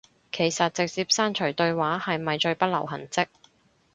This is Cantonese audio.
其實直接刪除對話係咪最不留痕跡